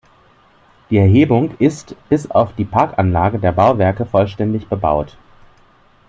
Die Erhebung ist, bis auf die Parkanlagen der Bauwerke, vollständig bebaut.